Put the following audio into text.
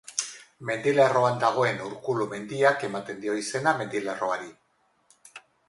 Mendilerroan dagoen Urkulu mendiak ematen dio izena mendilerroari.